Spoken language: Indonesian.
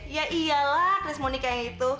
ya iyalah agnes monika yang itu